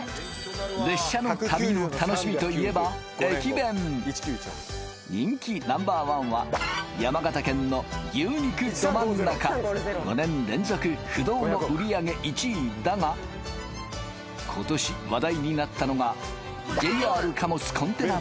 列車の旅の楽しみといえば駅弁人気Ｎｏ．１は山形県の牛肉どまん中５年連続不動の売り上げ１位だが今年話題になったのがＪＲ貨物コンテナ